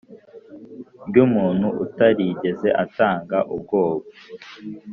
ry umuntu utarigeze atanga ubwo